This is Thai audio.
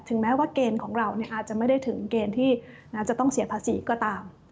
แม้ว่าเกณฑ์ของเราอาจจะไม่ได้ถึงเกณฑ์ที่จะต้องเสียภาษีก็ตาม